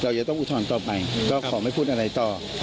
จะต้องอุทธรณ์ต่อไปก็ขอไม่พูดอะไรต่อ